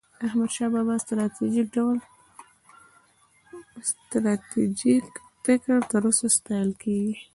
د احمدشاه بابا ستراتیژيک فکر تر اوسه ستایل کېږي.